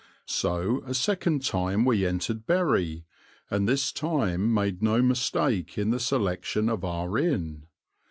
So a second time we entered Bury, and this time made no mistake in the selection of our inn.